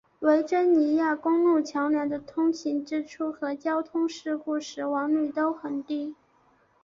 维珍尼亚公路桥梁的通行支出和交通事故死亡率都很低。